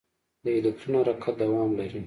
د الکترون حرکت دوام لري.